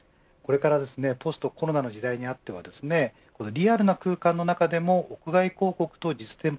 ポストコロナの時代にあってリアルな空間の中でも屋外広告と実店舗